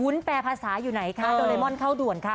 แปลภาษาอยู่ไหนคะโดเรมอนเข้าด่วนค่ะ